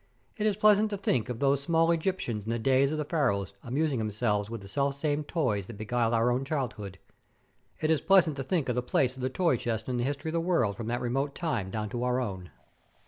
It is pleasant to think of those small Egyptians in the days of the Pharaohs amusing themselves with the selfsame toys that beguiled our own childhood. It is pleasant to think of the place of the toy chest in the history of the world from that remote time down to our own.